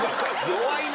弱いな。